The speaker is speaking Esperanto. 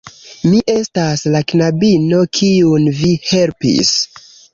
Mi estas la knabino kiun vi helpis